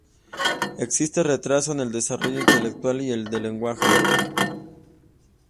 Existe retraso en el desarrollo intelectual y en el lenguaje.